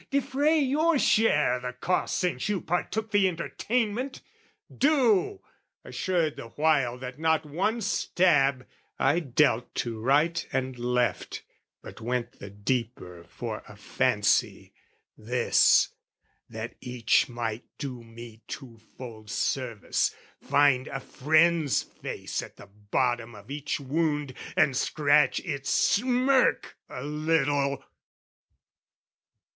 Defray your share o' the cost since you partook The entertainment! Do! assured the while, That not one stab, I dealt to right and left, But went the deeper for a fancy this That each might do me two fold service, find A friend's face at the bottom of each wound, And scratch its smirk a little!